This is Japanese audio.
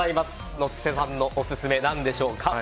野瀬さんのオススメは何でしょうか？